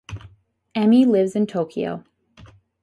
Emi lives in Tokyo.